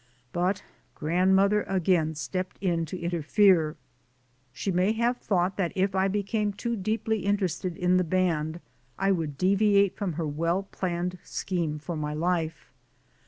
But grandmother again stepped in to inter fere. She may have thought that if I became too deeply interested in the band I would deviate from her well planned scheme for my life.